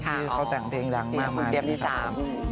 ที่เขาแปลงเพลงดังมาก